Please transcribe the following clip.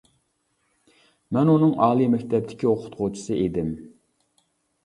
مەن ئۇنىڭ ئالىي مەكتەپتىكى ئوقۇتقۇچىسى ئىدىم.